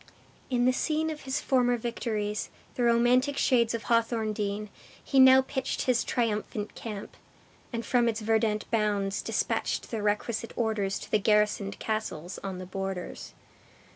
In the scene of his former victories, the romantic shades of Hawthorndean, he now pitched his triumphant camp; and from its verdant bounds dispatched the requisite orders to the garrisoned castles on the borders.